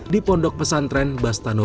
di pondok pesantren basta nulang